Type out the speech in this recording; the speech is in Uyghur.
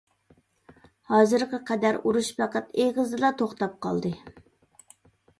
ھازىرغا قەدەر، ئۇرۇش پەقەت ئېغىزدىلا توختاپ قالدى.